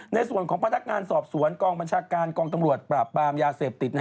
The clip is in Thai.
ในส่วนของพนักงานสอบสวนกองบัญชาการกองปราบปรามยาเสพติด